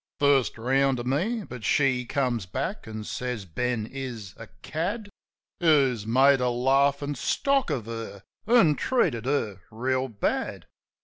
First round to me. But she comes back, an' says Ben is a cad Who's made a laughin' stock of her, an' treated her reel bad.